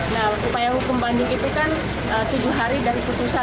nah upaya hukum banding itu kan tujuh hari dari putusan